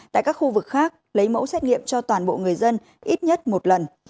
tại các khu vực khác lấy mẫu xét nghiệm cho toàn bộ người dân ít nhất một lần